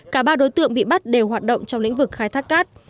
cả ba đối tượng bị bắt đều hoạt động trong lĩnh vực khai thác cát